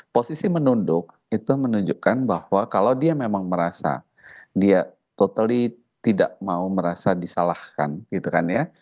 posisi menunduk itu menunjukkan bahwa kalau dia memang merasa dia totally tidak mau merasa disalahkan gitu kan ya